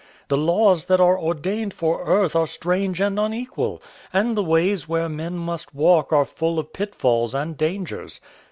The laws that are ordained for earth are strange and unequal, and the ways where men must walk are full of pitfalls and dangers.